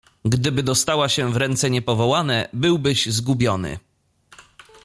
"Gdyby dostała się w ręce niepowołane, byłbyś zgubiony."